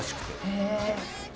へえ。